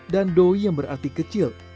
dan doi yang berarti kecil